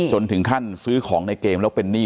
จนถึงขั้นซื้อของในเกมแล้วเป็นหนี้